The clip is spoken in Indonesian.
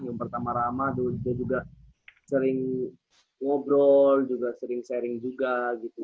yang pertama ramah dia juga sering ngobrol juga sering sharing juga gitu